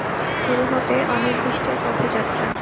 শুরু হবে অনির্দিষ্টের পথে যাত্রা।